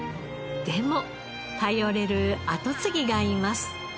でも頼れる跡継ぎがいます。